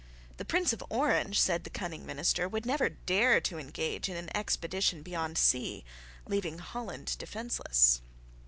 The Prince of Orange, said the cunning minister, would never dare to engage in an expedition beyond sea, leaving Holland defenceless.